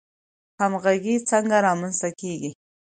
همغږي څنګه رامنځته کیږي؟